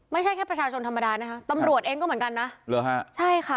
ไม่ใช่แค่ประชาชนธรรมดานะคะตำรวจเองก็เหมือนกันนะเหรอฮะใช่ค่ะ